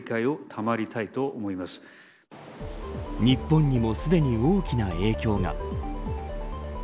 日本にもすでに大きな影響が。